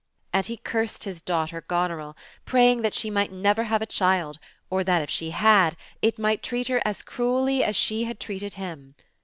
And he cursed his daughter, Goneril, praying that she might never have a child, or that if $he had, it might treat her as cruelly as she had treated him.